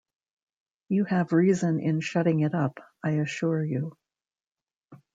You have reason in shutting it up, I assure you.